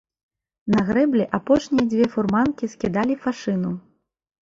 На грэблі апошнія дзве фурманкі скідалі фашыну.